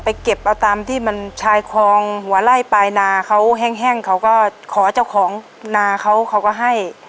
เก็บเอาตามที่มันชายคลองหัวไล่ปลายนาเขาแห้งเขาก็ขอเจ้าของนาเขาเขาก็ให้